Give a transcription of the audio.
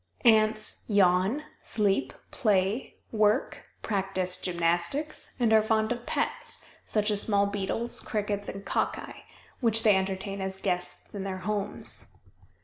Ants yawn, sleep, play, work, practice gymnastics, and are fond of pets, such as small beetles, crickets, and cocci, which they entertain as guests in their homes.